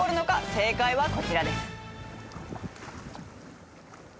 正解はこちらです。